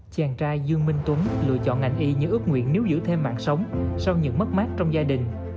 chàng trai dương minh tuấn lựa chọn ngành y như ước nguyện nếu giữ thêm mạng sống sau những mất mát trong gia đình